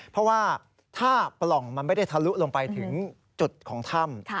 เพราะว่าถ้าปล่องมันไม่ได้ทะลุลงไปถึงจุดของถ้ำ